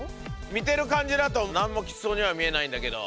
見てる感じだと何もきつそうには見えないんだけど。